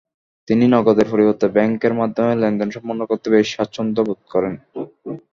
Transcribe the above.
তিনি নগদের পরিবর্তে ব্যাংকের মাধ্যমে লেনদেন সম্পন্ন করতে বেশি স্বাচ্ছন্দ্য বোধ করেন।